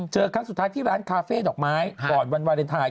ครั้งสุดท้ายที่ร้านคาเฟ่ดอกไม้ก่อนวันวาเลนไทย